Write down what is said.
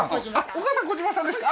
お母さんコジマさんですか？